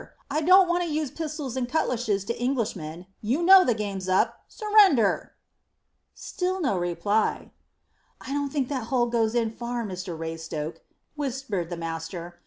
I don't want to use pistols and cutlashes to Englishmen. You know the game's up. Surrender." Still no reply. "I don't think that hole goes in far, Mr Raystoke," whispered the master.